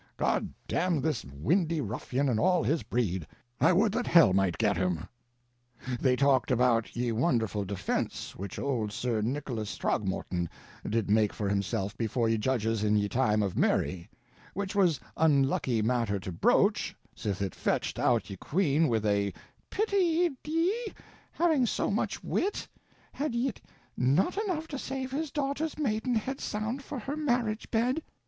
God damn this windy ruffian and all his breed. I wolde that hell mighte get him. They talked about ye wonderful defense which old Sr. Nicholas Throgmorton did make for himself before ye judges in ye time of Mary; which was unlucky matter to broach, sith it fetched out ye quene with a 'Pity yt he, having so much wit, had yet not enough to save his doter's maidenhedde sound for her marriage bed.'